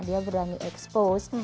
dia berani expose